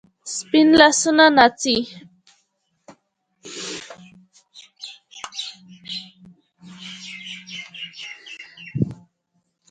سپین لاسونه ناڅي